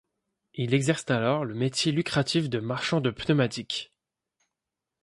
Il exerce alors le métier lucratif de marchand de pneumatiques.